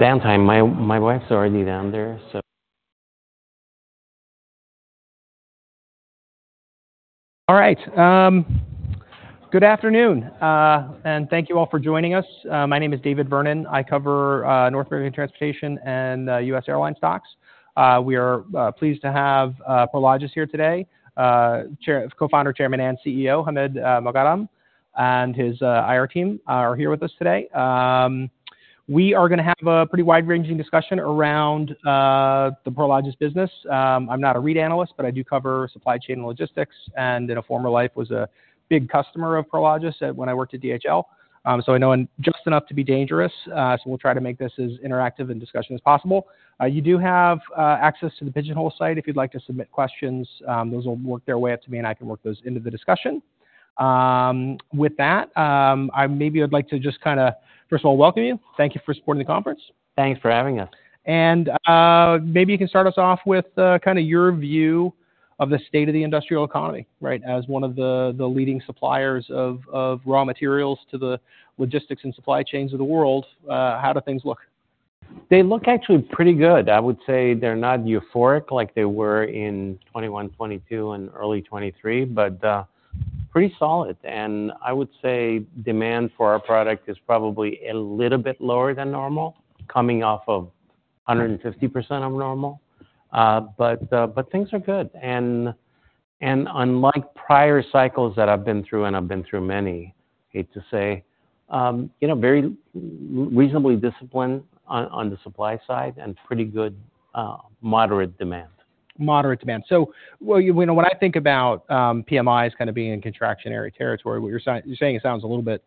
All right, good afternoon, and thank you all for joining us. My name is David Vernon. I cover North American Transportation and US airline stocks. We are pleased to have Prologis here today. Co-founder, Chairman, and CEO Hamid Moghadam and his IR team are here with us today. We are gonna have a pretty wide-ranging discussion around the Prologis business. I'm not a REIT analyst, but I do cover supply chain and logistics, and in a former life, was a big customer of Prologis when I worked at DHL. So I know just enough to be dangerous, so we'll try to make this as interactive and discussion as possible. You do have access to the Pigeonhole site. If you'd like to submit questions, those will work their way up to me, and I can work those into the discussion. With that, I'd like to just kinda, first of all, welcome you. Thank you for supporting the conference. Thanks for having us. Maybe you can start us off with kinda your view of the state of the industrial economy, right? As one of the leading suppliers of raw materials to the logistics and supply chains of the world, how do things look? They look actually pretty good. I would say they're not euphoric like they were in 2021, 2022, and early 2023, but pretty solid. I would say demand for our product is probably a little bit lower than normal, coming off of 150% of normal. But things are good. And unlike prior cycles that I've been through, and I've been through many, hate to say, you know, very reasonably disciplined on the supply side, and pretty good moderate demand. Moderate demand. So, well, you know, when I think about, PMIs kind of being in contractionary territory, what you're saying—you're saying it sounds a little bit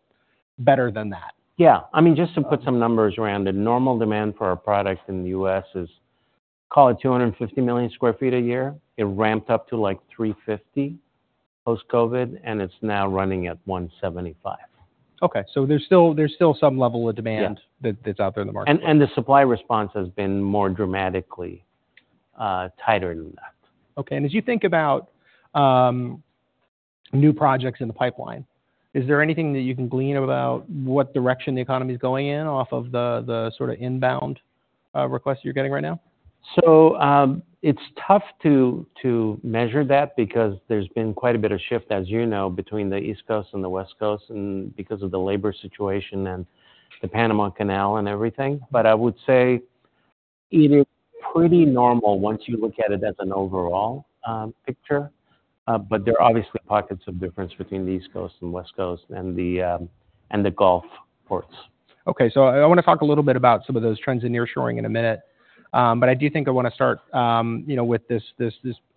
better than that. Yeah. I mean, just to put some numbers around it, normal demand for our products in the US is, call it 250 million sq ft a year. It ramped up to, like, 350 post-COVID, and it's now running at 175. Okay, so there's still, there's still some level of demand- Yeah... that, that's out there in the market. The supply response has been more dramatically tighter than that. Okay. And as you think about new projects in the pipeline, is there anything that you can glean about what direction the economy is going in off of the sort of inbound requests you're getting right now? So, it's tough to measure that because there's been quite a bit of shift, as you know, between the East Coast and the West Coast, and because of the labor situation and the Panama Canal and everything. But I would say it is pretty normal once you look at it as an overall picture. But there are obviously pockets of difference between the East Coast and West Coast and the Gulf ports. Okay, so I wanna talk a little bit about some of those trends in nearshoring in a minute. But I do think I wanna start, you know, with this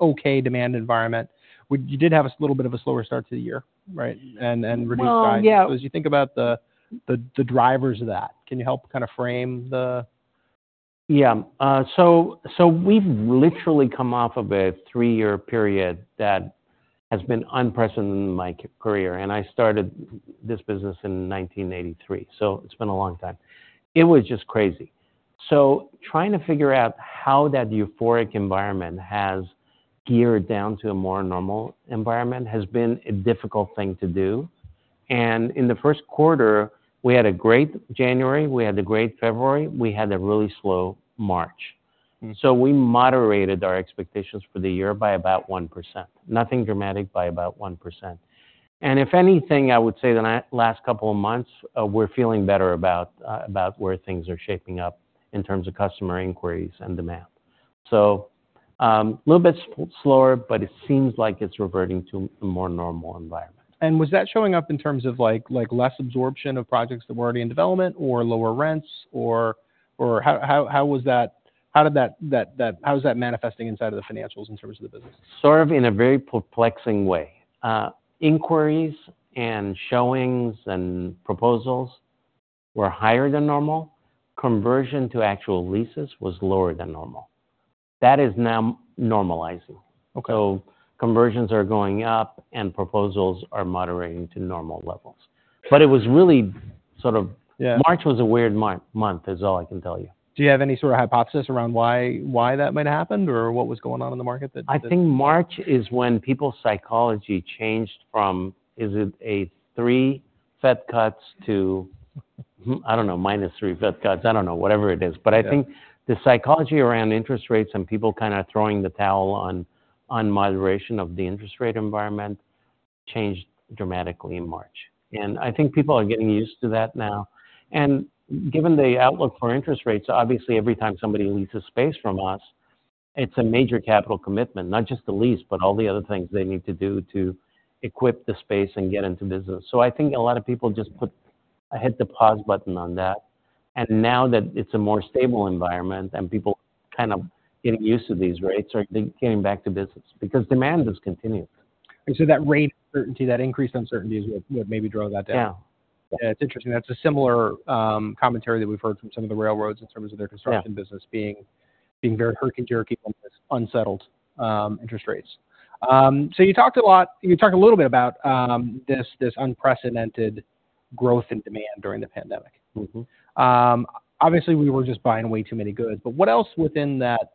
okay demand environment. We—you did have a little bit of a slower start to the year, right? And reduced guidance. Well, yeah. As you think about the drivers of that, can you help kinda frame the- Yeah. So we've literally come off of a three-year period that has been unprecedented in my career, and I started this business in 1983, so it's been a long time. It was just crazy. So trying to figure out how that euphoric environment has geared down to a more normal environment has been a difficult thing to do. And in the Q1, we had a great January, we had a great February, we had a really slow March. Mm-hmm. So we moderated our expectations for the year by about 1%. Nothing dramatic, by about 1%. And if anything, I would say the last couple of months, we're feeling better about, about where things are shaping up in terms of customer inquiries and demand. So, a little bit slower, but it seems like it's reverting to a more normal environment. Was that showing up in terms of, like, less absorption of projects that were already in development or lower rents, or how was that... How is that manifesting inside of the financials in terms of the business? Sort of in a very perplexing way. Inquiries, and showings, and proposals were higher than normal. Conversion to actual leases was lower than normal. That is now normalizing. Okay. So conversions are going up, and proposals are moderating to normal levels. But it was really sort of- Yeah. March was a weird month, is all I can tell you. Do you have any sort of hypothesis around why that might have happened or what was going on in the market that? I think March is when people's psychology changed from, is it 3 Fed cuts to, I don't know, -3 Fed cuts? I don't know, whatever it is. Yeah. But I think the psychology around interest rates and people kinda throwing the towel on moderation of the interest rate environment changed dramatically in March. And I think people are getting used to that now. And given the outlook for interest rates, obviously, every time somebody leases space from us, it's a major capital commitment, not just the lease, but all the other things they need to do to equip the space and get into business. So I think a lot of people just put... hit the pause button on that, and now that it's a more stable environment and people kind of getting used to these rates, are then getting back to business, because demand is continuous. And so that rate uncertainty, that increased uncertainty, is what, what maybe drove that down? Yeah. Yeah, it's interesting. That's a similar commentary that we've heard from some of the railroads in terms of their construction- Yeah... business being very herky-jerky on this unsettled interest rates. So you talked a lot, you talked a little bit about this unprecedented growth in demand during the pandemic. Mm-hmm. Obviously, we were just buying way too many goods, but what else within that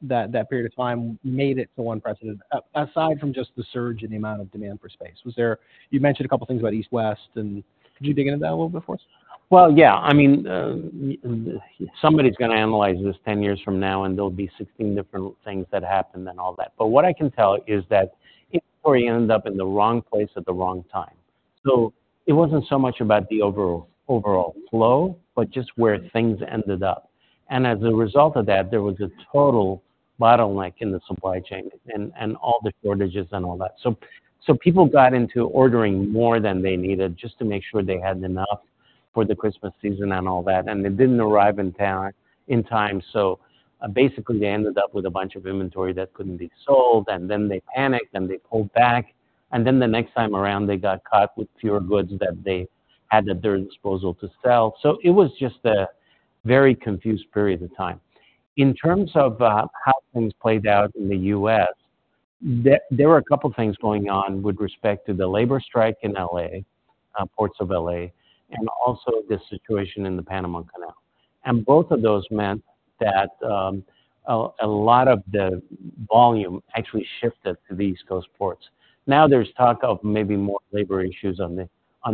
period of time made it so unprecedented, aside from just the surge in the amount of demand for space? Was there... You mentioned a couple things about East-West, and could you dig into that a little bit for us?... Well, yeah, I mean, somebody's gonna analyze this 10 years from now, and there'll be 16 different things that happened and all that. But what I can tell is that inventory ended up in the wrong place at the wrong time. So it wasn't so much about the overall flow, but just where things ended up. And as a result of that, there was a total bottleneck in the supply chain and all the shortages and all that. So people got into ordering more than they needed just to make sure they had enough for the Christmas season and all that, and it didn't arrive in time. So basically, they ended up with a bunch of inventory that couldn't be sold, and then they panicked, and they pulled back, and then the next time around, they got caught with fewer goods that they had at their disposal to sell. So it was just a very confused period of time. In terms of how things played out in the U.S., there were a couple things going on with respect to the labor strike in LA, ports of LA, and also the situation in the Panama Canal. And both of those meant that a lot of the volume actually shifted to the East Coast ports. Now, there's talk of maybe more labor issues on the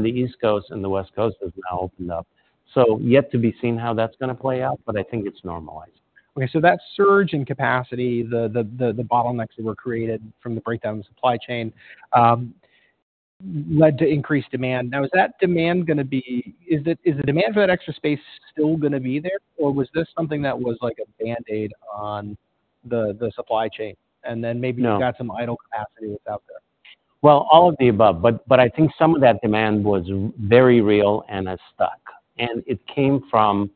East Coast, and the West Coast has now opened up. So yet to be seen how that's gonna play out, but I think it's normalized. Okay, so that surge in capacity, the bottlenecks that were created from the breakdown in the supply chain, led to increased demand. Now, is that demand gonna be—is the demand for that extra space still gonna be there, or was this something that was like a Band-Aid on the supply chain, and then maybe- No You got some idle capacity that's out there? Well, all of the above, but, but I think some of that demand was very real and has stuck, and it came from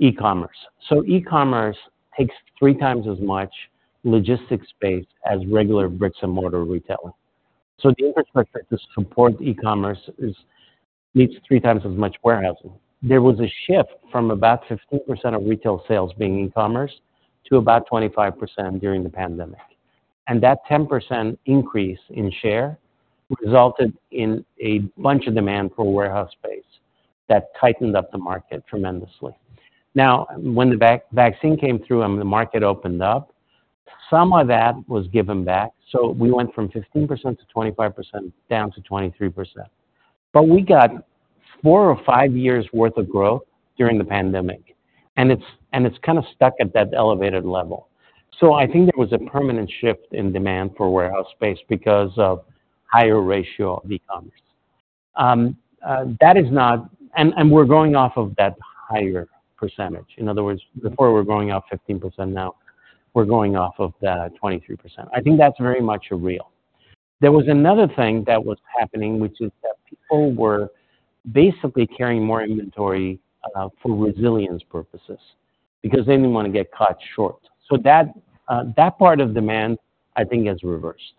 e-commerce. So e-commerce takes three times as much logistics space as regular bricks-and-mortar retailing. So the infrastructure to support e-commerce is, needs three times as much warehousing. There was a shift from about 15% of retail sales being e-commerce to about 25% during the pandemic, and that 10% increase in share resulted in a bunch of demand for warehouse space that tightened up the market tremendously. Now, when the vaccine came through and the market opened up, some of that was given back, so we went from 15% to 25%, down to 23%. But we got four or five years worth of growth during the pandemic, and it's, and it's kinda stuck at that elevated level. So I think there was a permanent shift in demand for warehouse space because of higher ratio of e-commerce. And we're going off of that higher percentage. In other words, before, we were going off 15%, now we're going off of the 23%. I think that's very much real. There was another thing that was happening, which is that people were basically carrying more inventory for resilience purposes because they didn't want to get caught short. So that part of demand, I think, has reversed.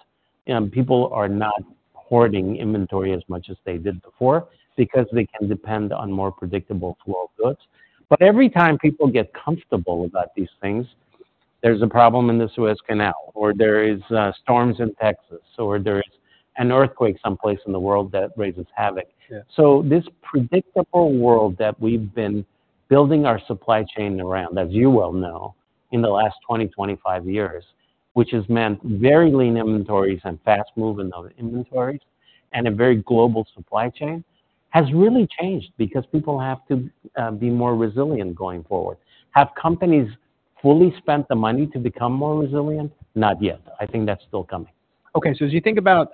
People are not hoarding inventory as much as they did before because they can depend on more predictable flow of goods. But every time people get comfortable about these things, there's a problem in the Suez Canal, or there is storms in Texas, or there is an earthquake someplace in the world that raises havoc. Yeah. So this predictable world that we've been building our supply chain around, as you well know, in the last 20-25 years, which has meant very lean inventories and fast movement of inventories and a very global supply chain, has really changed because people have to be more resilient going forward. Have companies fully spent the money to become more resilient? Not yet. I think that's still coming. Okay, so as you think about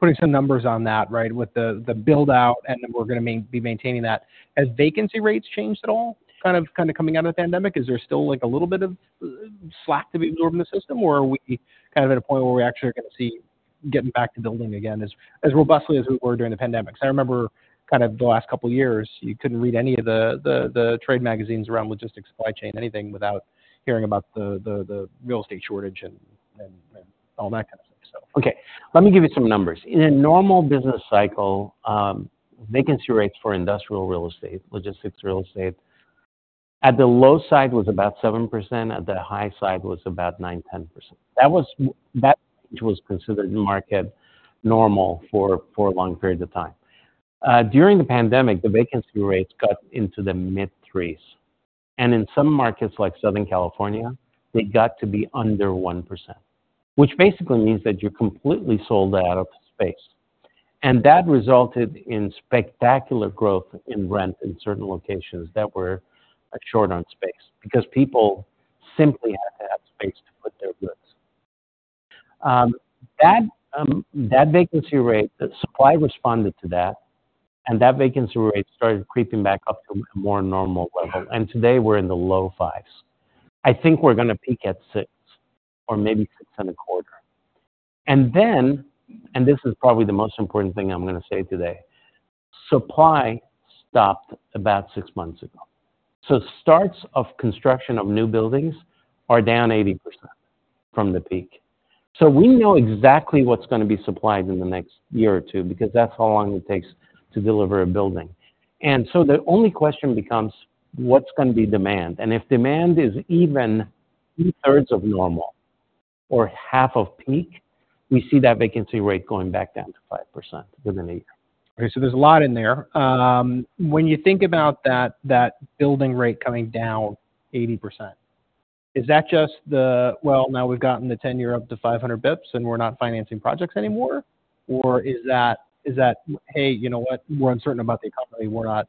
putting some numbers on that, right, with the build-out, and then we're gonna mainly be maintaining that, has vacancy rates changed at all? Kind of coming out of the pandemic, is there still, like, a little bit of slack to be absorbed in the system, or are we kind of at a point where we actually are gonna see getting back to building again as robustly as we were during the pandemic? Because I remember kind of the last couple of years, you couldn't read any of the trade magazines around logistics, supply chain, anything, without hearing about the real estate shortage and all that kind of thing so. Okay, let me give you some numbers. In a normal business cycle, vacancy rates for industrial real estate, logistics real estate, at the low side was about 7%, at the high side was about 9%-10%. That was considered market normal for long periods of time. During the pandemic, the vacancy rates got into the mid-3s, and in some markets like Southern California, they got to be under 1%, which basically means that you're completely sold out of space. And that resulted in spectacular growth in rent in certain locations that were short on space because people simply had to have space to put their goods. That vacancy rate, the supply responded to that, and that vacancy rate started creeping back up to a more normal level, and today we're in the low 5s. I think we're gonna peak at 6 or maybe 6.25. And then, and this is probably the most important thing I'm gonna say today: Supply stopped about 6 months ago. So starts of construction of new buildings are down 80% from the peak. So we know exactly what's gonna be supplied in the next year or 2, because that's how long it takes to deliver a building. And so the only question becomes, what's gonna be demand? And if demand is even two-thirds of normal or half of peak, we see that vacancy rate going back down to 5% within a year. Okay, so there's a lot in there. When you think about that, that building rate coming down 80%-... Is that just the, well, now we've gotten the ten-year up to 500 bips, and we're not financing projects anymore? Or is that, is that, "Hey, you know what? We're uncertain about the economy. We're not,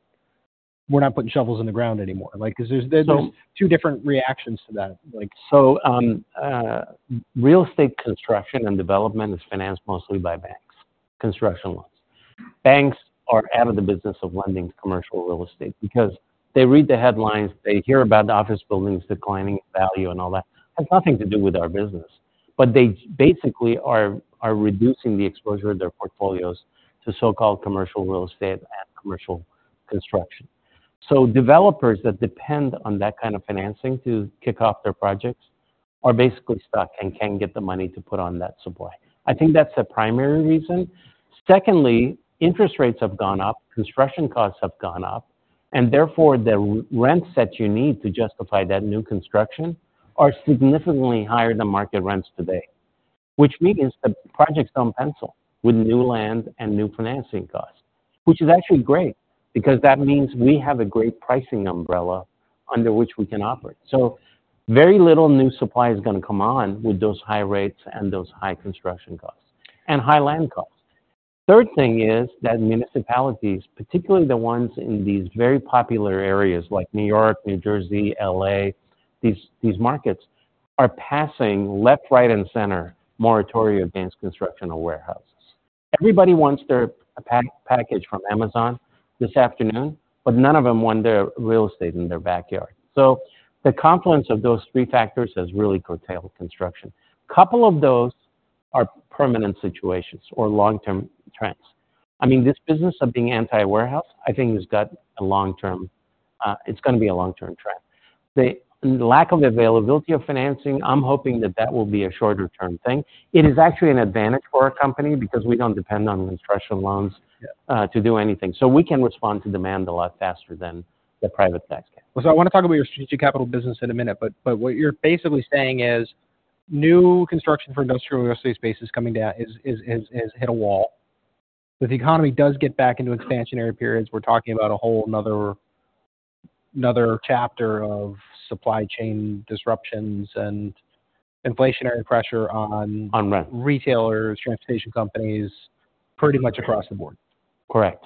we're not putting shovels in the ground anymore." Like, 'cause there's- So- There's two different reactions to that, like. So, real estate construction and development is financed mostly by banks, construction loans. Banks are out of the business of lending to commercial real estate because they read the headlines, they hear about the office buildings declining in value and all that. Has nothing to do with our business, but they basically are reducing the exposure of their portfolios to so-called commercial real estate and commercial construction. So developers that depend on that kind of financing to kick off their projects are basically stuck and can't get the money to put on that supply. I think that's the primary reason. Secondly, interest rates have gone up, construction costs have gone up, and therefore, the rents that you need to justify that new construction are significantly higher than market rents today, which means the projects don't pencil with new land and new financing costs. Which is actually great, because that means we have a great pricing umbrella under which we can operate. So very little new supply is gonna come on with those high rates and those high construction costs and high land costs. Third thing is that municipalities, particularly the ones in these very popular areas like New York, New Jersey, LA, these markets, are passing left, right, and center moratoria against construction of warehouses. Everybody wants their package from Amazon this afternoon, but none of them want their real estate in their backyard. So the confluence of those three factors has really curtailed construction. Couple of those are permanent situations or long-term trends. I mean, this business of being anti-warehouse, I think, has got a long-term... It's gonna be a long-term trend. The lack of availability of financing, I'm hoping that that will be a shorter-term thing. It is actually an advantage for our company because we don't depend on construction loans. Yeah... to do anything. So we can respond to demand a lot faster than the private banks can. So I wanna talk about your Strategic Capital business in a minute, but what you're basically saying is, new construction for industrial real estate space is coming down, is, has hit a wall. If the economy does get back into expansionary periods, we're talking about a whole another chapter of supply chain disruptions and inflationary pressure on- On rent... retailers, transportation companies, pretty much across the board. Correct.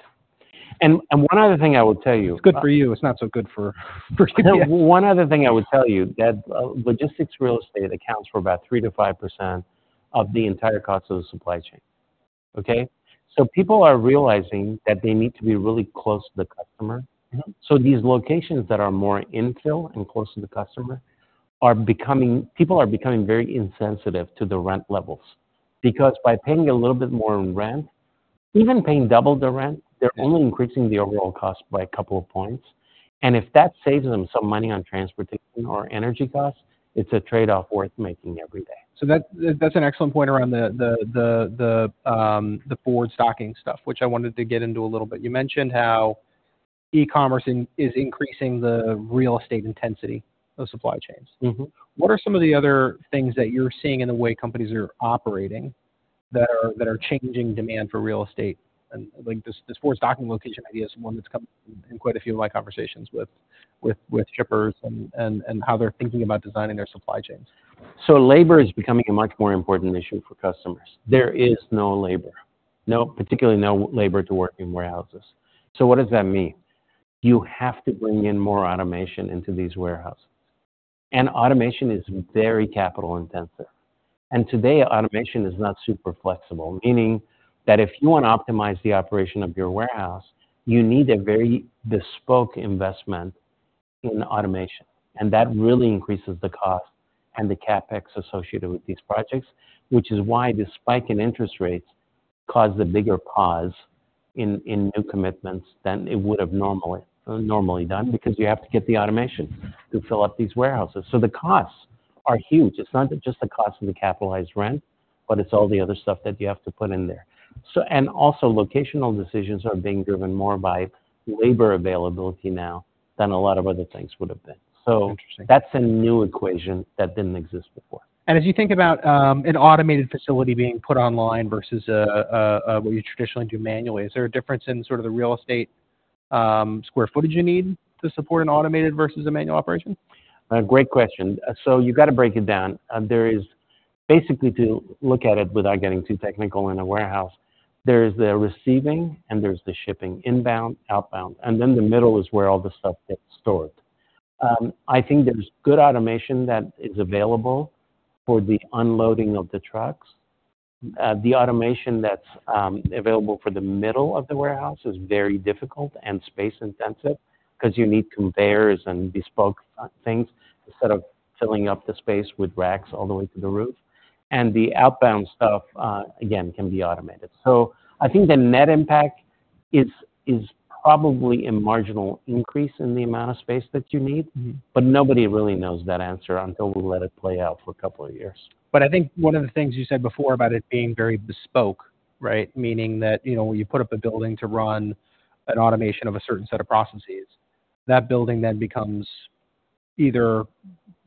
And, one other thing I will tell you- It's good for you. It's not so good for, One other thing I would tell you, that, logistics real estate accounts for about 3%-5% of the entire cost of the supply chain, okay? So people are realizing that they need to be really close to the customer. Mm-hmm. These locations that are more infill and close to the customer are becoming, people are becoming very insensitive to the rent levels, because by paying a little bit more in rent, even paying double the rent, they're only increasing the overall cost by a couple of points. And if that saves them some money on transportation or energy costs, it's a trade-off worth making every day. So, that's an excellent point around the forward stocking stuff, which I wanted to get into a little bit. You mentioned how e-commerce is increasing the real estate intensity of supply chains. Mm-hmm. What are some of the other things that you're seeing in the way companies are operating that are changing demand for real estate? And, like, this forward stocking location idea is one that's come in quite a few of my conversations with shippers and how they're thinking about designing their supply chains. So labor is becoming a much more important issue for customers. There is no labor. No, particularly no labor to work in warehouses. So what does that mean? You have to bring in more automation into these warehouses. And automation is very capital intensive, and today, automation is not super flexible, meaning that if you want to optimize the operation of your warehouse, you need a very bespoke investment in automation, and that really increases the cost and the CapEx associated with these projects, which is why the spike in interest rates caused a bigger pause in new commitments than it would have normally done, because you have to get the automation to fill up these warehouses. So the costs are huge. It's not just the cost of the capitalized rent, but it's all the other stuff that you have to put in there. So, and also, locational decisions are being driven more by labor availability now than a lot of other things would have been. So- Interesting. That's a new equation that didn't exist before. As you think about an automated facility being put online versus what you traditionally do manually, is there a difference in sort of the real estate square footage you need to support an automated versus a manual operation? Great question. So you've got to break it down. There is... Basically, to look at it without getting too technical in a warehouse, there's the receiving and there's the shipping, inbound, outbound, and then the middle is where all the stuff gets stored. I think there's good automation that is available for the unloading of the trucks. The automation that's available for the middle of the warehouse is very difficult and space intensive because you need conveyors and bespoke things instead of filling up the space with racks all the way to the roof. And the outbound stuff, again, can be automated. So I think the net impact is probably a marginal increase in the amount of space that you need. Mm-hmm. But nobody really knows that answer until we let it play out for a couple of years. But I think one of the things you said before about it being very bespoke, right? Meaning that, you know, when you put up a building to run an automation of a certain set of processes, that building then becomes either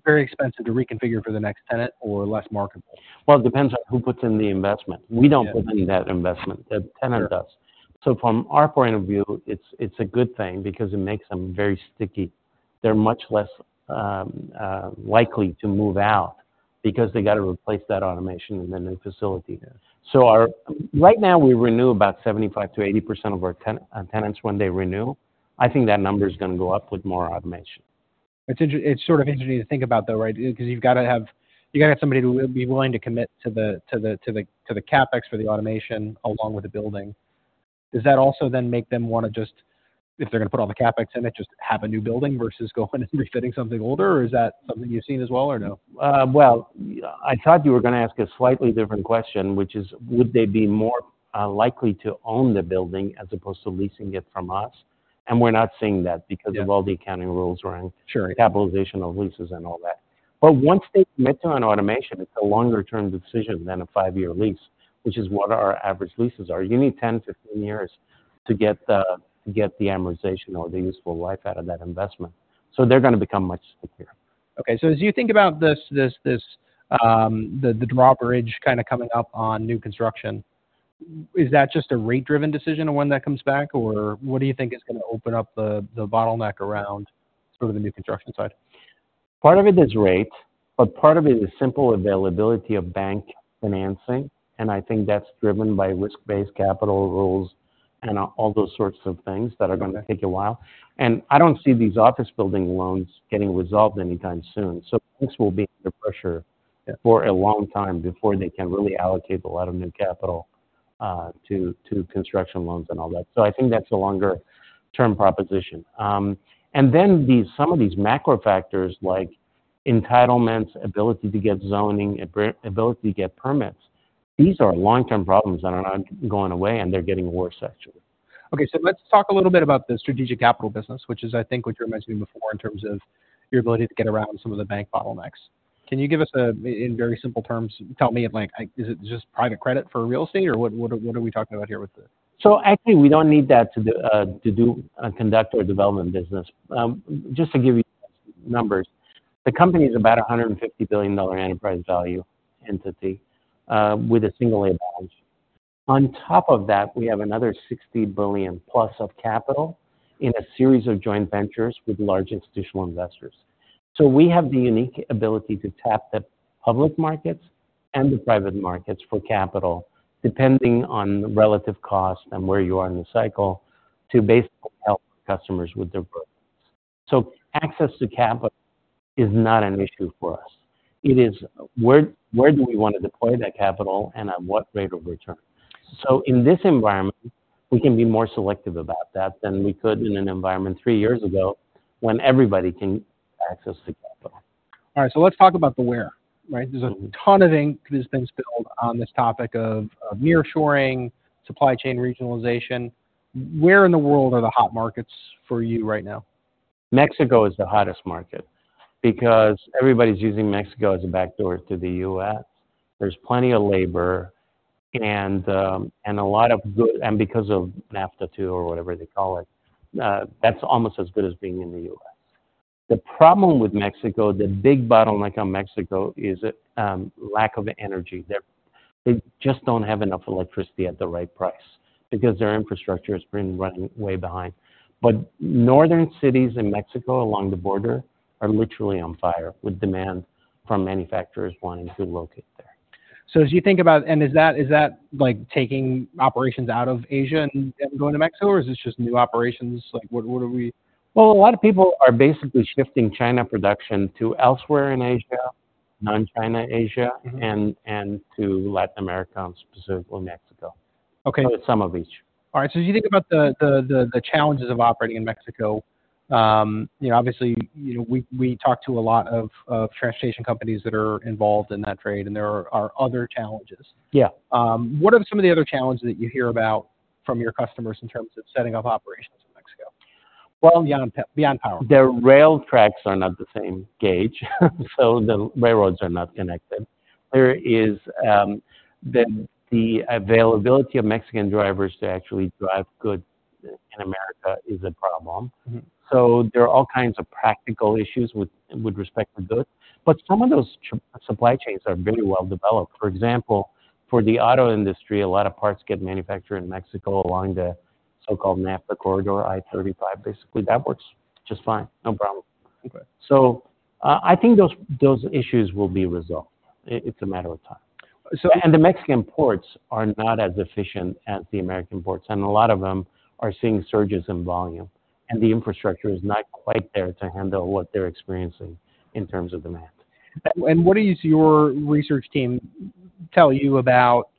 very expensive to reconfigure for the next tenant or less marketable. Well, it depends on who puts in the investment. Yeah. We don't put in that investment, the tenant does. So from our point of view, it's a good thing because it makes them very sticky. They're much less likely to move out because they gotta replace that automation in the new facility. So, right now, we renew about 75%-80% of our tenants when they renew. I think that number is gonna go up with more automation. It's sort of interesting to think about, though, right? Because you've gotta have, you gotta have somebody who will be willing to commit to the CapEx for the automation along with the building. Does that also then make them wanna just, if they're gonna put all the CapEx in it, just have a new building versus going and refitting something older, or is that something you've seen as well, or no? Well, I thought you were gonna ask a slightly different question, which is, would they be more likely to own the building as opposed to leasing it from us? And we're not seeing that- Yeah... because of all the accounting rules around- Sure Capitalization of leases and all that. But once they commit to an automation, it's a longer-term decision than a 5-year lease, which is what our average leases are. You need 10-15 years to get the amortization or the useful life out of that investment, so they're gonna become much stickier. Okay, so as you think about this, the drawbridge kinda coming up on new construction, is that just a rate-driven decision when that comes back, or what do you think is gonna open up the bottleneck around sort of the new construction side? Part of it is rate, but part of it is simple availability of bank financing, and I think that's driven by risk-based capital rules and all those sorts of things that are gonna take a while. And I don't see these office building loans getting resolved anytime soon, so this will be under pressure for a long time before they can really allocate a lot of new capital to construction loans and all that. So I think that's a longer-term proposition. And then these, some of these macro factors, like entitlements, ability to get zoning, ability to get permits, these are long-term problems that are not going away, and they're getting worse, actually. Okay, so let's talk a little bit about the strategic capital business, which is, I think, what you were mentioning before in terms of your ability to get around some of the bank bottlenecks. Can you give us, in very simple terms, tell me, like, is it just private credit for real estate, or what, what are, what are we talking about here with this? So actually, we don't need that to do to do conduct or development business. Just to give you numbers, the company is about a $150 billion enterprise value entity with a Single-A balance. On top of that, we have another $60 billion+ of capital in a series of joint ventures with large institutional investors. So we have the unique ability to tap the public markets and the private markets for capital, depending on the relative cost and where you are in the cycle, to basically help customers with their burdens. So access to capital is not an issue for us. It is where do we want to deploy that capital and at what rate of return? In this environment, we can be more selective about that than we could in an environment three years ago when everybody can access the capital. All right, so let's talk about the where, right? There's a ton of ink that has been spilled on this topic of nearshoring, supply chain regionalization. Where in the world are the hot markets for you right now? Mexico is the hottest market because everybody's using Mexico as a backdoor to the US. There's plenty of labor and a lot of good and because of NAFTA, too, or whatever they call it, that's almost as good as being in the US. The problem with Mexico, the big bottleneck on Mexico, is the lack of energy. They just don't have enough electricity at the right price because their infrastructure has been running way behind. But northern cities in Mexico along the border are literally on fire, with demand from manufacturers wanting to locate there. As you think about... is that like taking operations out of Asia and going to Mexico, or is this just new operations? Like, what are we- Well, a lot of people are basically shifting China production to elsewhere in Asia, non-China Asia- Mm-hmm... and to Latin America, and specifically Mexico. Okay. Or some of each. All right, so as you think about the challenges of operating in Mexico, you know, obviously, we talk to a lot of transportation companies that are involved in that trade, and there are other challenges. Yeah. What are some of the other challenges that you hear about from your customers in terms of setting up operations in Mexico? Well- Beyond power... Their rail tracks are not the same gauge, so the railroads are not connected. There is, the availability of Mexican drivers to actually drive goods in America is a problem. Mm-hmm. So there are all kinds of practical issues with, with respect to goods, but some of those supply chains are very well developed. For example, for the auto industry, a lot of parts get manufactured in Mexico along the so-called NAFTA Corridor, I-35, basically, that works just fine. No problem. Okay. So, I think those, those issues will be resolved. It's a matter of time. So, and the Mexican ports are not as efficient as the American ports, and a lot of them are seeing surges in volume, and the infrastructure is not quite there to handle what they're experiencing in terms of demand. What does your research team tell you about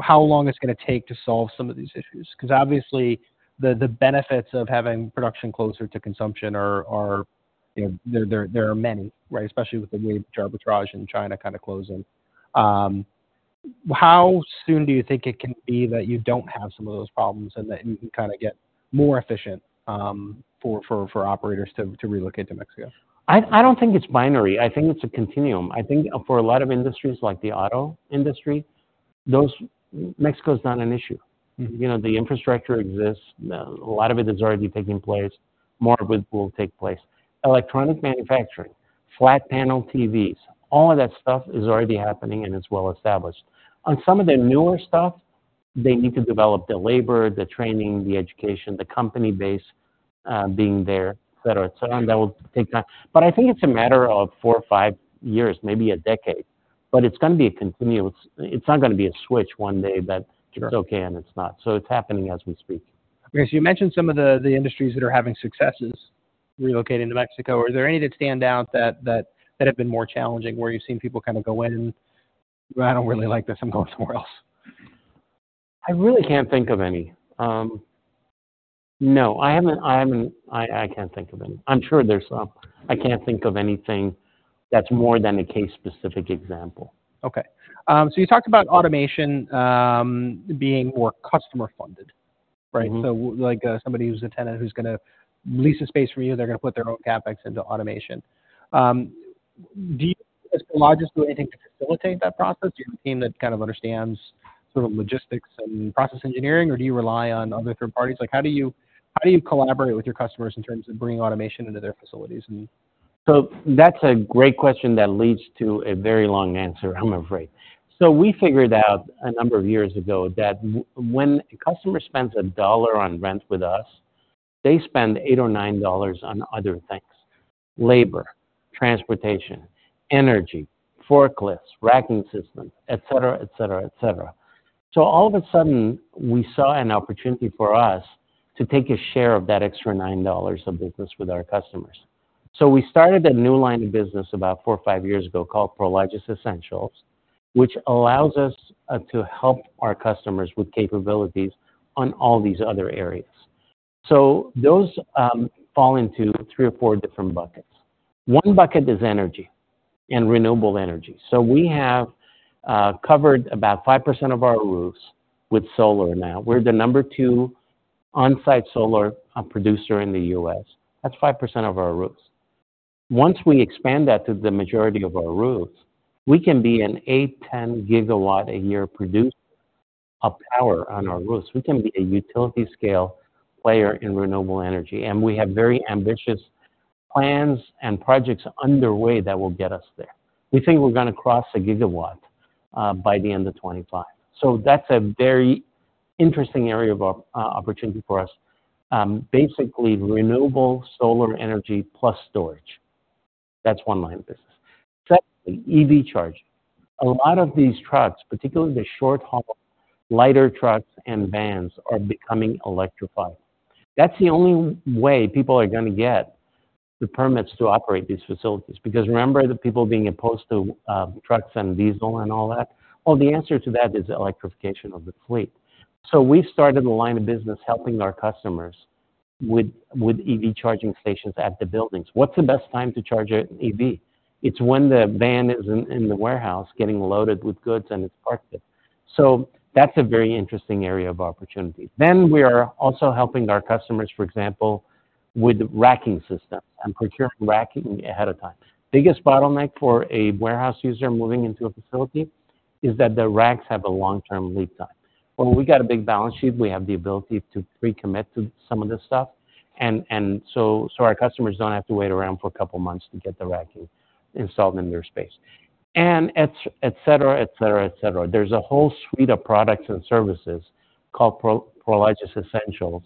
how long it's gonna take to solve some of these issues? Because obviously, the benefits of having production closer to consumption are, you know, there are many, right? Especially with the wage arbitrage in China kind of closing. How soon do you think it can be that you don't have some of those problems and that you can kind of get more efficient, for operators to relocate to Mexico? I don't think it's binary. I think it's a continuum. I think for a lot of industries, like the auto industry, those... Mexico is not an issue. Mm-hmm. You know, the infrastructure exists. A lot of it is already taking place. More of it will take place. Electronic manufacturing, flat panel TVs. All of that stuff is already happening, and it's well established. On some of the newer stuff, they need to develop the labor, the training, the education, the company base, being there, et cetera, et cetera, and that will take time. But I think it's a matter of four or five years, maybe a decade, but it's gonna be a continuum. It's not gonna be a switch one day that- Sure It's okay and it's not. So it's happening as we speak. So you mentioned some of the industries that are having successes relocating to Mexico. Are there any that stand out that have been more challenging, where you've seen people kind of go in, "I don't really like this. I'm going somewhere else? I really can't think of any. No, I haven't. I can't think of any. I'm sure there's some. I can't think of anything that's more than a case-specific example. Okay. So you talked about automation, being more customer-funded, right? Mm-hmm. So like, somebody who's a tenant, who's gonna lease a space from you, they're gonna put their own CapEx into automation. Do you, as Prologis, do anything to facilitate that process? Do you have a team that kind of understands sort of logistics and process engineering, or do you rely on other third parties? Like, how do you, how do you collaborate with your customers in terms of bringing automation into their facilities and- So that's a great question that leads to a very long answer, I'm afraid. So we figured out a number of years ago that when a customer spends a dollar on rent with us, they spend $8 or $9 on other things: labor, transportation, energy, forklifts, racking systems, et cetera, et cetera, et cetera. So all of a sudden, we saw an opportunity for us to take a share of that extra $9 of business with our customers. So we started a new line of business about 4 or 5 years ago called Prologis Essentials, which allows us to help our customers with capabilities on all these other areas. So those fall into 3 or 4 different buckets. One bucket is energy and renewable energy. So we have covered about 5% of our roofs with solar now. We're the number 2 on-site solar producer in the US. That's 5% of our roofs. Once we expand that to the majority of our roofs, we can be an 8-10 gigawatt a year producer of power on our roofs. We can be a utility scale player in renewable energy, and we have very ambitious plans and projects underway that will get us there. We think we're gonna cross a gigawatt by the end of 2025. So that's a very interesting area of opportunity for us. Basically, renewable solar energy plus storage. That's one line of business. Secondly, EV charging. A lot of these trucks, particularly the short-haul, lighter trucks and vans, are becoming electrified. That's the only way people are gonna get the permits to operate these facilities, because remember the people being opposed to trucks and diesel and all that? Well, the answer to that is electrification of the fleet. So we started a line of business helping our customers with EV charging stations at the buildings. What's the best time to charge an EV? It's when the van is in the warehouse, getting loaded with goods, and it's parked there. So that's a very interesting area of opportunity. Then we are also helping our customers, for example, with racking systems and procuring racking ahead of time. Biggest bottleneck for a warehouse user moving into a facility is that the racks have a long-term lead time. Well, we got a big balance sheet. We have the ability to pre-commit to some of this stuff, and so our customers don't have to wait around for a couple of months to get the racking installed in their space. And et cetera, et cetera, et cetera. There's a whole suite of products and services called Prologis Essentials,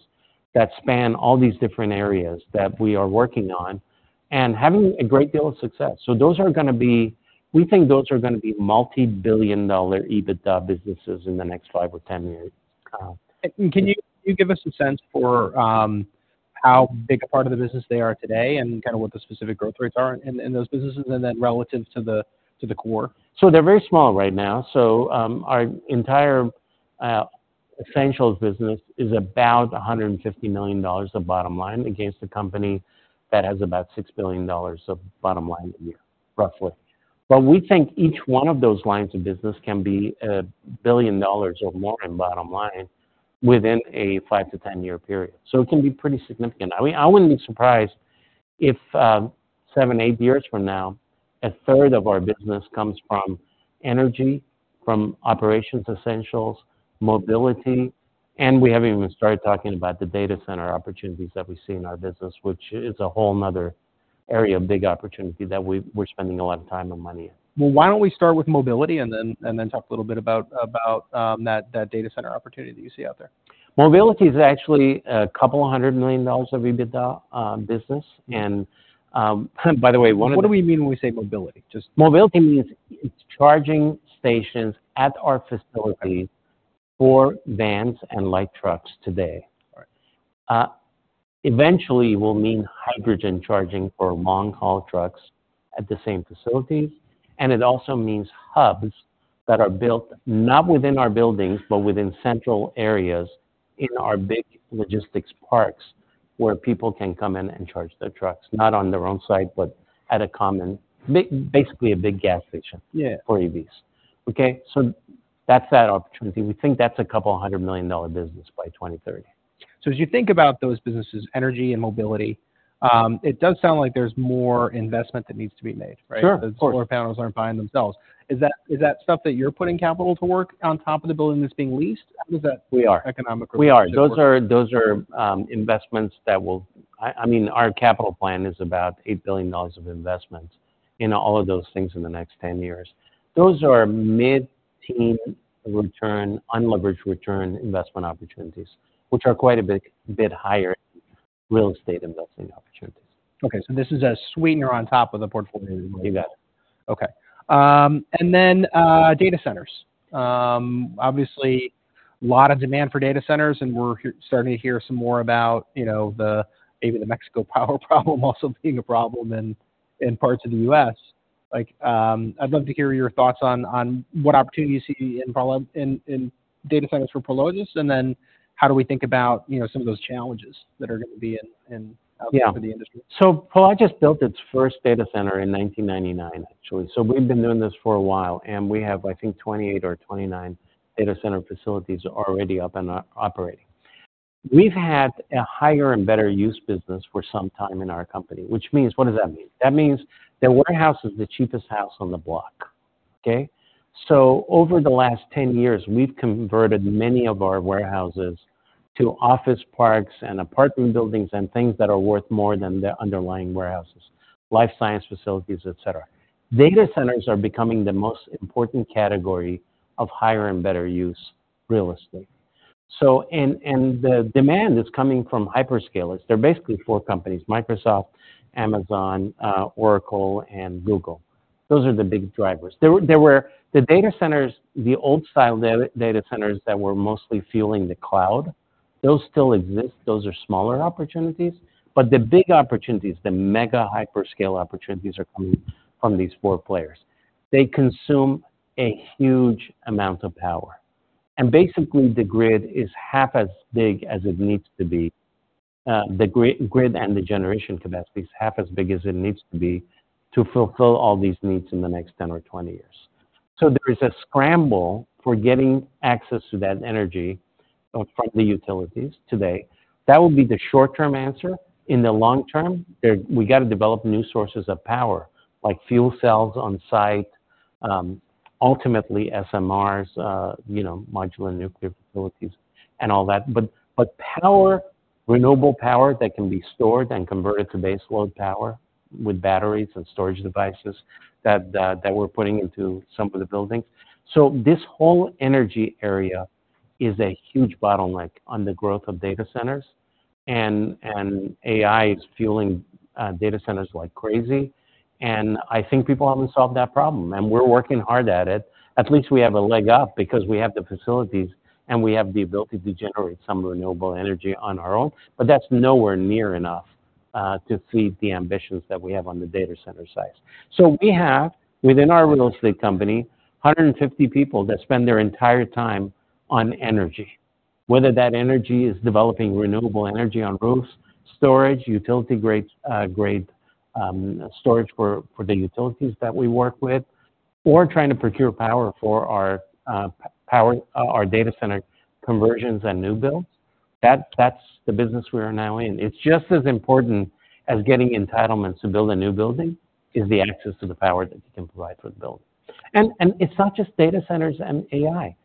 that span all these different areas that we are working on and having a great deal of success. So those are gonna be... We think those are gonna be multi-billion-dollar EBITDA businesses in the next 5 or 10 years. Can you give us a sense for how big a part of the business they are today and kind of what the specific growth rates are in those businesses, and then relative to the core? So they're very small right now. So, our entire Essentials business is about $150 million of bottom line against a company that has about $6 billion of bottom line a year, roughly. But we think each one of those lines of business can be $1 billion or more in bottom line within a 5-10-year period. So it can be pretty significant. I mean, I wouldn't be surprised if 7-8 years from now, a third of our business comes from energy, from Operations Essentials, mobility, and we haven't even started talking about the data center opportunities that we see in our business, which is a whole another area of big opportunity that we're spending a lot of time and money in. Well, why don't we start with mobility and then talk a little bit about that data center opportunity that you see out there? Mobility is actually a couple of 100 million dollars of EBITDA business. And, by the way, one of the- What do we mean when we say mobility? Just- Mobility means it's charging stations at our facilities- Okay... for vans and light trucks today. All right. Eventually, will mean hydrogen charging for long-haul trucks at the same facilities, and it also means hubs that are built not within our buildings, but within central areas in our big logistics parks, where people can come in and charge their trucks, not on their own site, but at a common, basically, a big gas station- Yeah -for EVs. Okay, so that's that opportunity. We think that's a $200 million-dollar business by 2030. So as you think about those businesses, energy and mobility, it does sound like there's more investment that needs to be made, right? Sure, of course. The solar panels aren't buying themselves. Is that stuff that you're putting capital to work on top of the building that's being leased? How does that- We are -economic relationship work? We are. Those are, those are, investments that will... I mean, our capital plan is about $8 billion of investments in all of those things in the next 10 years. Those are mid-teen return, unleveraged return investment opportunities, which are quite a bit higher real estate investing opportunities. Okay, so this is a sweetener on top of the portfolio- You got it. Okay. And then, data centers. Obviously, a lot of demand for data centers, and we're starting to hear some more about, you know, the, maybe the Mexico power problem also being a problem in parts of the US. Like, I'd love to hear your thoughts on what opportunities you see in data centers for Prologis, and then how do we think about, you know, some of those challenges that are gonna be in, in- Yeah out for the industry? So Prologis built its first data center in 1999, actually. So we've been doing this for a while, and we have, I think, 28 or 29 data center facilities already up and operating. We've had a higher and better use business for some time in our company, which means... What does that mean? That means the warehouse is the cheapest house on the block, okay? So over the last 10 years, we've converted many of our warehouses to office parks and apartment buildings, and things that are worth more than the underlying warehouses, life science facilities, et cetera. Data centers are becoming the most important category of higher and better use real estate. So, and, and the demand is coming from hyperscalers. They're basically four companies: Microsoft, Amazon, Oracle, and Google. Those are the big drivers. There were the data centers, the old style data centers that were mostly fueling the cloud, those still exist. Those are smaller opportunities, but the big opportunities, the mega hyperscale opportunities, are coming from these four players. They consume a huge amount of power, and basically, the grid is half as big as it needs to be. The grid, and the generation capacity is half as big as it needs to be to fulfill all these needs in the next 10 or 20 years. So there is a scramble for getting access to that energy from the utilities today. That would be the short-term answer. In the long term, we got to develop new sources of power, like fuel cells on site, ultimately SMRs, you know, modular nuclear facilities and all that. Power, renewable power that can be stored and converted to baseload power with batteries and storage devices, that we're putting into some of the buildings. So this whole energy area is a huge bottleneck on the growth of data centers. And AI is fueling data centers like crazy. And I think people haven't solved that problem, and we're working hard at it. At least we have a leg up because we have the facilities, and we have the ability to generate some renewable energy on our own, but that's nowhere near enough to feed the ambitions that we have on the data center sites. So we have, within our real estate company, 150 people that spend their entire time on energy, whether that energy is developing renewable energy on roofs, storage, utility-grade storage for the utilities that we work with, or trying to procure power for our power, our data center conversions and new builds. That's the business we are now in. It's just as important as getting entitlements to build a new building, is the access to the power that you can provide for the building. And it's not just data centers and AI,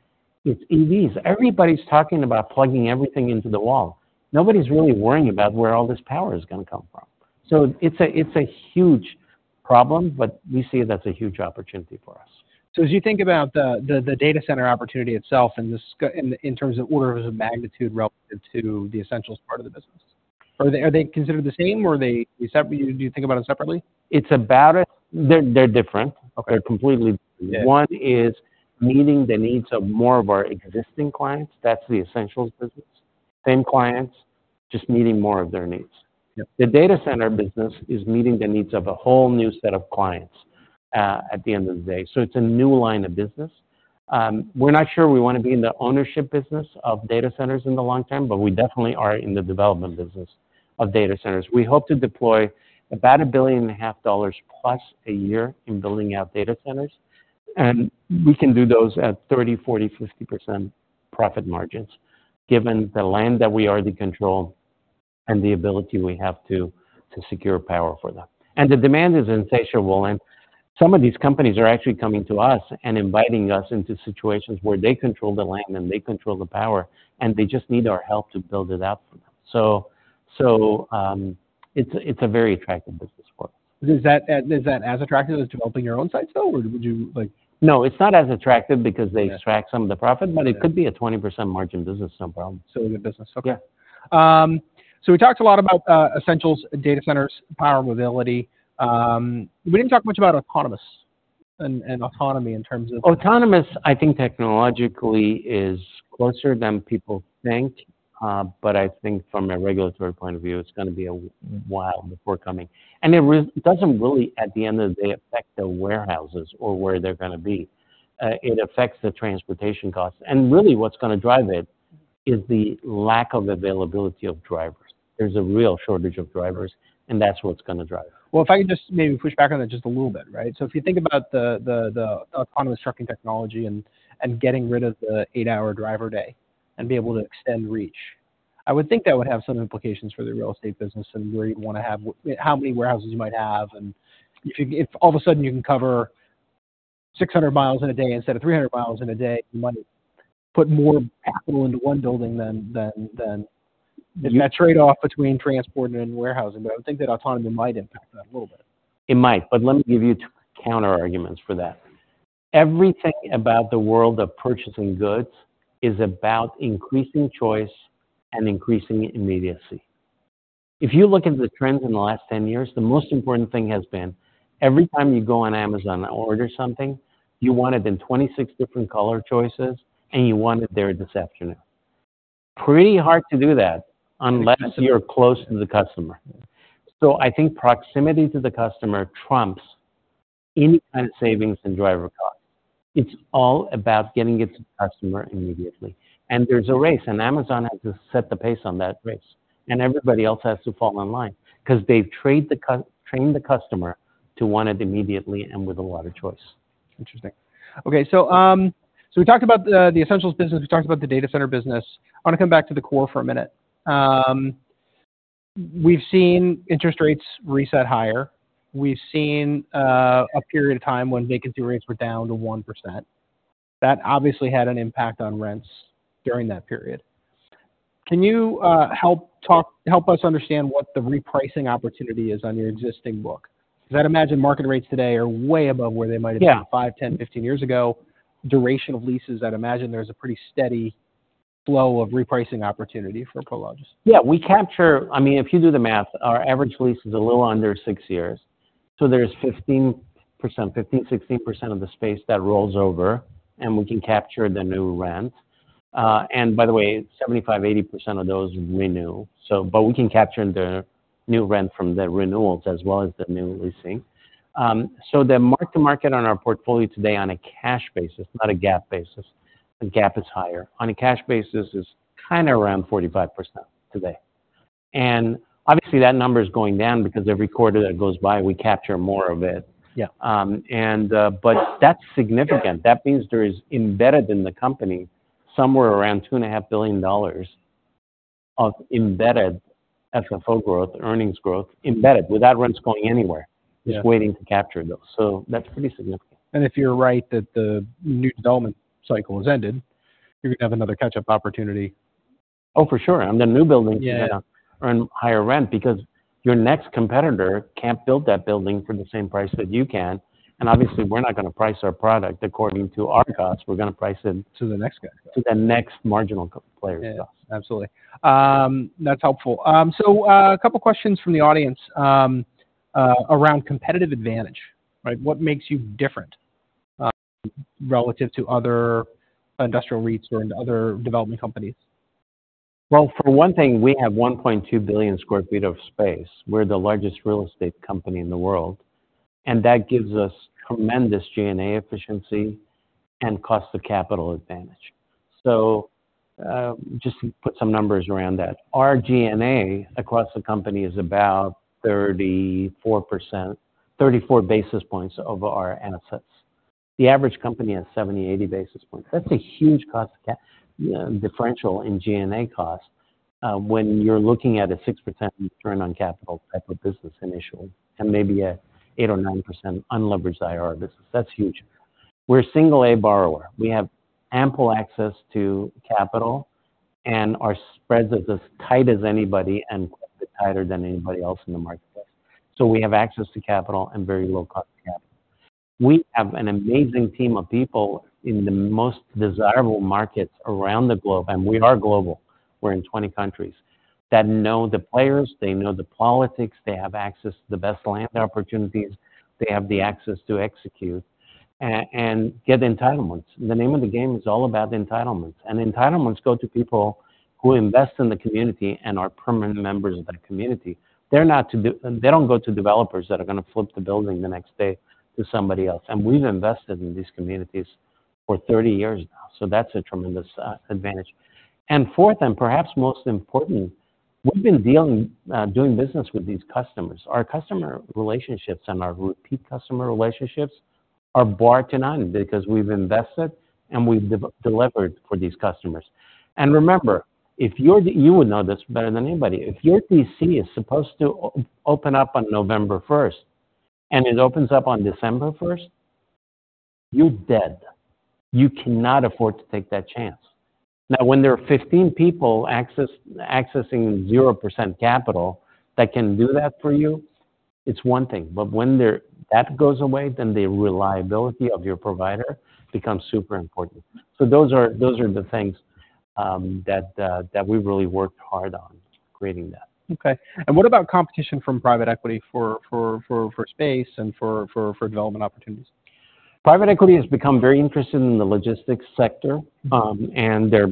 it's EVs. Everybody's talking about plugging everything into the wall. Nobody's really worrying about where all this power is gonna come from. So it's a huge problem, but we see it as a huge opportunity for us. So as you think about the data center opportunity itself and the scale in terms of orders of magnitude relative to the essentials part of the business, are they considered the same, or are they separate? Do you think about them separately? It's about it. They're, they're different. Okay. They're completely different. Yeah. One is meeting the needs of more of our existing clients. That's the essentials business. Same clients, just meeting more of their needs. Yeah. The data center business is meeting the needs of a whole new set of clients, at the end of the day. So it's a new line of business. We're not sure we want to be in the ownership business of data centers in the long term, but we definitely are in the development business of data centers. We hope to deploy about $1.5 billion plus a year in building out data centers, and we can do those at 30%, 40%, 50% profit margins, given the land that we already control and the ability we have to secure power for them. And the demand is insatiable, and some of these companies are actually coming to us and inviting us into situations where they control the land, and they control the power, and they just need our help to build it out for them. So, it's a very attractive business for us. Is that as attractive as developing your own sites, though, or would you like- No, it's not as attractive because they extract some of the profit, but it could be a 20% margin business, no problem. Still a good business. Yeah. Okay. So we talked a lot about essentials, data centers, power, mobility. We didn't talk much about autonomous and autonomy in terms of- Autonomous, I think technologically, is closer than people think. But I think from a regulatory point of view, it's gonna be a while before coming. And it doesn't really, at the end of the day, affect the warehouses or where they're gonna be. It affects the transportation costs, and really, what's gonna drive it is the lack of availability of drivers. There's a real shortage of drivers, and that's what's gonna drive it. Well, if I could just maybe push back on that just a little bit, right? So if you think about the autonomous trucking technology and getting rid of the eight-hour driver day, and be able to extend reach, I would think that would have some implications for the real estate business and where you'd want to have... How many warehouses you might have, and if all of a sudden you can cover 600 miles in a day instead of 300 miles in a day, you might put more capital into one building than that trade-off between transport and warehousing, but I would think that autonomy might impact that a little bit. It might, but let me give you two counterarguments for that. Everything about the world of purchasing goods is about increasing choice and increasing immediacy. If you look at the trends in the last 10 years, the most important thing has been, every time you go on Amazon and order something, you want it in 26 different color choices, and you want it there this afternoon. Pretty hard to do that unless you're close to the customer. So I think proximity to the customer trumps any kind of savings in driver costs. It's all about getting it to the customer immediately. And there's a race, and Amazon has to set the pace on that race, and everybody else has to fall in line because they've trained the customer to want it immediately and with a lot of choice. Interesting. Okay, so we talked about the essentials business, we talked about the data center business. I want to come back to the core for a minute. We've seen interest rates reset higher. We've seen a period of time when vacancy rates were down to 1%. That obviously had an impact on rents during that period. Can you help us understand what the repricing opportunity is on your existing book? Because I'd imagine market rates today are way above where they might have been- Yeah… 5, 10, 15 years ago. Duration of leases, I'd imagine there's a pretty steady flow of repricing opportunity for Prologis. Yeah, we capture—I mean, if you do the math, our average lease is a little under six years, so there's 15%, 15, 16% of the space that rolls over, and we can capture the new rent. And by the way, 75, 80% of those renew, so, but we can capture the new rent from the renewals as well as the new leasing. So the mark to market on our portfolio today on a cash basis, not a GAAP basis, the GAAP is higher. On a cash basis, is kinda around 45% today. And obviously, that number is going down because every quarter that goes by, we capture more of it. Yeah. But that's significant. That means there is embedded in the company somewhere around $2.5 billion of embedded FFO growth, earnings growth, embedded without rents going anywhere- Yeah... just waiting to capture those. So that's pretty significant. If you're right that the new development cycle has ended, you're gonna have another catch-up opportunity. Oh, for sure. On the new buildings- Yeah... are in higher rent because your next competitor can't build that building for the same price that you can. And obviously, we're not gonna price our product according to our costs, we're gonna price them- To the next guy. To the next marginal C-player. Yeah. Absolutely. That's helpful. So, a couple questions from the audience around competitive advantage, right? What makes you different relative to other industrial REITs or other development companies? Well, for one thing, we have 1.2 billion sq ft of space. We're the largest real estate company in the world, and that gives us tremendous G&A efficiency and cost of capital advantage. So, just to put some numbers around that, our G&A across the company is about 34 percent, 34 basis points over our assets. The average company has 70-80 basis points. That's a huge cost of differential in G&A costs, when you're looking at a 6% return on capital type of business initially, and maybe a 8%-9% unlevered IR business. That's huge. We're a Single-A borrower. We have ample access to capital, and our spread is as tight as anybody and quite a bit tighter than anybody else in the marketplace. So we have access to capital and very low cost of capital. We have an amazing team of people in the most desirable markets around the globe, and we are global. We're in 20 countries that know the players, they know the politics, they have access to the best land opportunities, they have the access to execute and get entitlements. The name of the game is all about the entitlements, and entitlements go to people who invest in the community and are permanent members of that community. They're not to they don't go to developers that are gonna flip the building the next day to somebody else. And we've invested in these communities for 30 years now, so that's a tremendous advantage. And fourth, and perhaps most important, we've been dealing, doing business with these customers. Our customer relationships and our repeat customer relationships are bar none because we've invested, and we've delivered for these customers. And remember, you would know this better than anybody. If your DC is supposed to open up on November first and it opens up on December first, you're dead. You cannot afford to take that chance. Now, when there are 15 people accessing 0% capital that can do that for you, it's one thing. But when that goes away, then the reliability of your provider becomes super important. So those are, those are the things that we've really worked hard on creating that. Okay. What about competition from private equity for space and for development opportunities? Private equity has become very interested in the logistics sector, and they're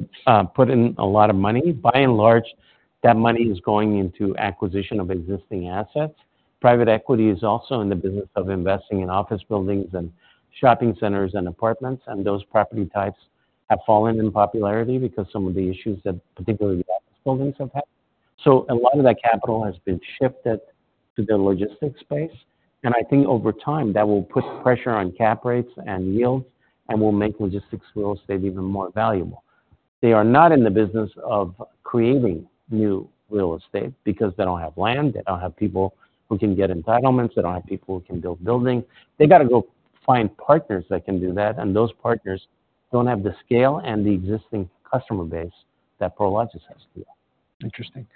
putting a lot of money. By and large, that money is going into acquisition of existing assets. Private equity is also in the business of investing in office buildings and shopping centers and apartments, and those property types have fallen in popularity because some of the issues that particularly the office buildings have had. So a lot of that capital has been shifted to the logistics space, and I think over time, that will put pressure on cap rates and yields and will make logistics real estate even more valuable. They are not in the business of creating new real estate because they don't have land, they don't have people who can get entitlements, they don't have people who can build building. They gotta go find partners that can do that, and those partners don't have the scale and the existing customer base that Prologis has. Deal. Interesting.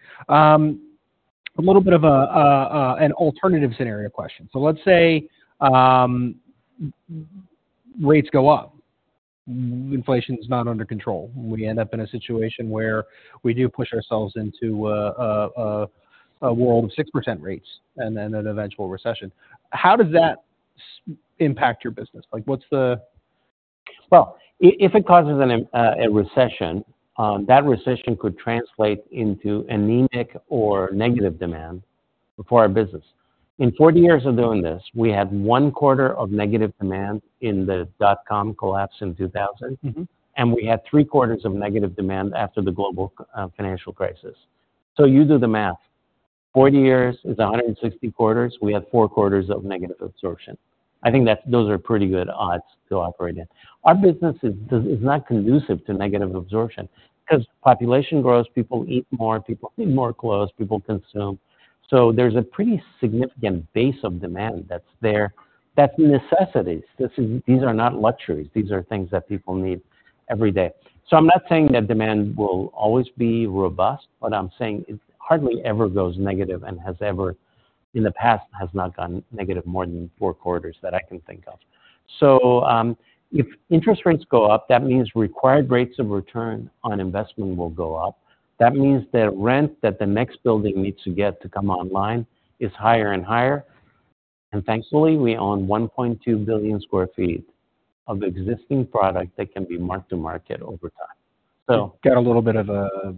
A little bit of a an alternative scenario question. So let's say, rates go up, inflation's not under control. We end up in a situation where we do push ourselves into a world of 6% rates and then an eventual recession. How does that impact your business? Like, what's the- Well, if it causes a recession, that recession could translate into anemic or negative demand for our business. In 40 years of doing this, we had one quarter of negative demand in the dot-com collapse in 2000. Mm-hmm. And we had three quarters of negative demand after the Global Financial Crisis. So you do the math. 40 years is 160 quarters. We had four quarters of negative absorption. I think that's those are pretty good odds to operate in. Our business is not conducive to negative absorption because population grows, people eat more, people need more clothes, people consume. So there's a pretty significant base of demand that's there. That's necessities. This is These are not luxuries. These are things that people need every day. So I'm not saying that demand will always be robust, what I'm saying, it hardly ever goes negative and has ever, in the past, has not gone negative more than four quarters that I can think of. So, if interest rates go up, that means required rates of return on investment will go up. That means that rent that the next building needs to get to come online is higher and higher, and thankfully, we own 1.2 billion sq ft of existing product that can be mark-to-market over time. So- Get a little bit of a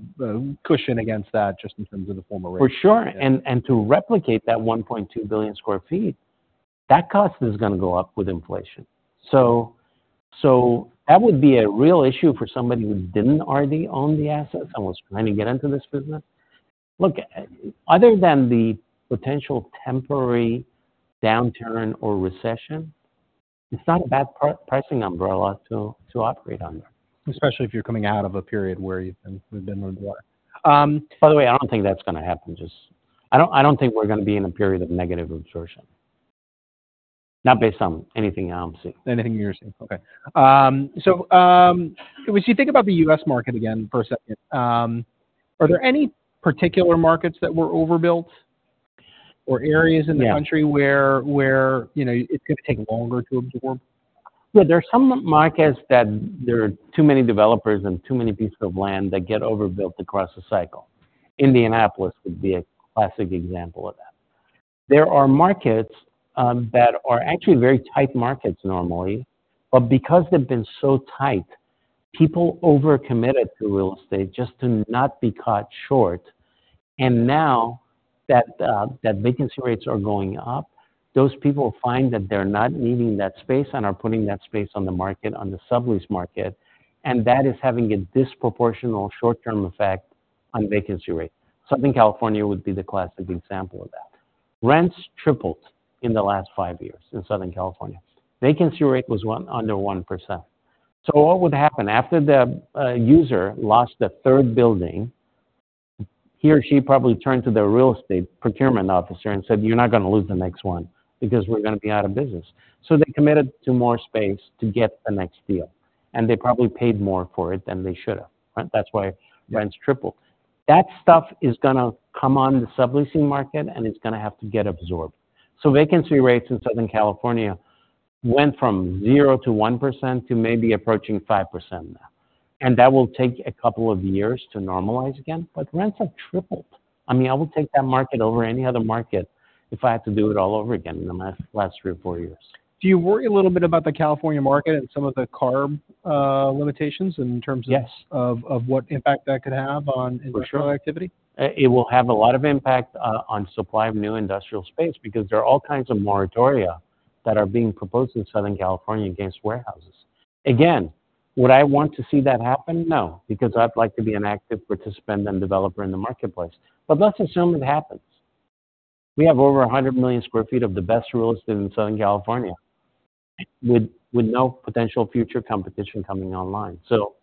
cushion against that, just in terms of the former rate. For sure. Yeah. To replicate that 1.2 billion sq ft, that cost is gonna go up with inflation. So that would be a real issue for somebody who didn't already own the assets and was trying to get into this business. Look, other than the potential temporary downturn or recession, it's not a bad pricing umbrella to operate under. Especially if you're coming out of a period where you've been, we've been rewarded. By the way, I don't think that's gonna happen. I don't think we're gonna be in a period of negative absorption. Not based on anything I'm seeing. Anything you're seeing. Okay. So, if you think about the U.S. market again for a second, are there any particular markets that were overbuilt or areas in- Yeah... the country where you know, it's gonna take longer to absorb? Yeah, there are some markets that there are too many developers and too many pieces of land that get overbuilt across the cycle. Indianapolis would be a classic example of that. There are markets that are actually very tight markets normally, but because they've been so tight, people over-committed to real estate just to not be caught short, and now that that vacancy rates are going up, those people find that they're not needing that space and are putting that space on the market, on the sublease market, and that is having a disproportional short-term effect on vacancy rate. Southern California would be the classic example of that. Rents tripled in the last five years in Southern California. Vacancy rate was under 1%. So what would happen after the user lost the third building, he or she probably turned to the real estate procurement officer and said, "You're not gonna lose the next one because we're gonna be out of business." So they committed to more space to get the next deal, and they probably paid more for it than they should have. Right? That's why- Right... rents triple. That stuff is gonna come on the subleasing market, and it's gonna have to get absorbed. So vacancy rates in Southern California went from 0% to 1% to maybe approaching 5% now, and that will take a couple of years to normalize again, but rents have tripled. I mean, I would take that market over any other market if I had to do it all over again in the last three or four years. Do you worry a little bit about the California market and some of the CARB limitations in terms of- Yes... of what impact that could have on- For sure... industrial activity? It will have a lot of impact on supply of new industrial space because there are all kinds of moratoria that are being proposed in Southern California against warehouses. Again, would I want to see that happen? No, because I'd like to be an active participant and developer in the marketplace. But let's assume it happens. We have over 100 million sq ft of the best real estate in Southern California, with no potential future competition coming online. So,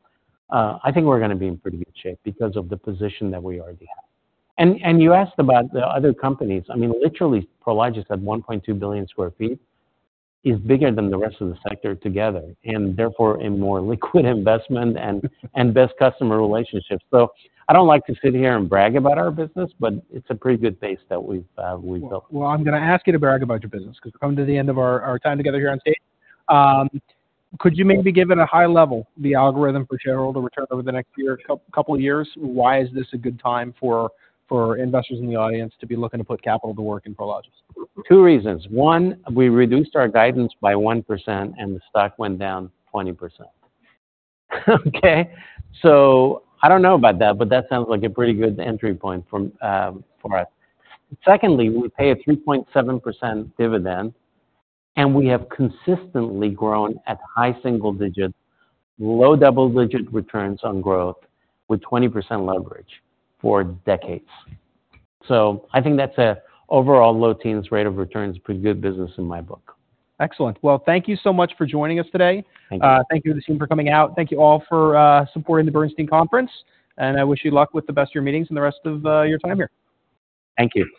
I think we're gonna be in pretty good shape because of the position that we already have. And you asked about the other companies. I mean, literally, Prologis at 1.2 billion sq ft, is bigger than the rest of the sector together, and therefore, a more liquid investment and best customer relationships. So I don't like to sit here and brag about our business, but it's a pretty good base that we've built. Well, I'm gonna ask you to brag about your business, 'cause we're coming to the end of our time together here on stage. Could you maybe give it a high level, the algorithm for shareholder return over the next year, couple of years? Why is this a good time for investors in the audience to be looking to put capital to work in Prologis? Two reasons. One, we reduced our guidance by 1% and the stock went down 20%. Okay? So I don't know about that, but that sounds like a pretty good entry point from, for us. Secondly, we pay a 3.7% dividend, and we have consistently grown at high single digit, low double-digit returns on growth with 20% leverage for decades. So I think that's a overall low teens rate of return is pretty good business in my book. Excellent. Well, thank you so much for joining us today. Thank you. Thank you to the team for coming out. Thank you all for supporting the Bernstein Conference, and I wish you luck with the best of your meetings and the rest of your time here. Thank you.